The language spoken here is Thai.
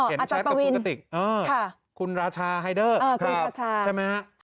อาจารย์ปะวินคุณราชาไฮเดอร์ใช่ไหมครับ